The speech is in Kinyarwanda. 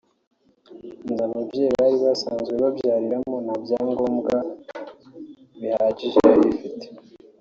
Inzu ababyeyi bari basazwe babyariramo nta byagombwa bihagije yari ifite